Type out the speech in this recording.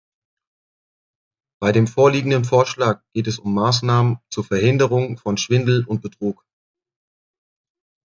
Bei dem vorliegenden Vorschlag geht es um Maßnahmen zur Verhinderung von Schwindel und Betrug.